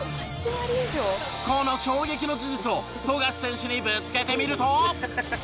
この衝撃の事実を富樫選手にぶつけてみると。